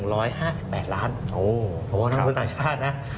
ขอบคุณต่างชาตินะ